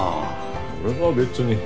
俺は別に。